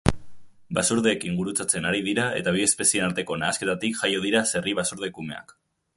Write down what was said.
Basurdeekin gurutzatzen ari dira eta bi espezieen arteko nahasketatik jaio dira zerri-basurde kumeak.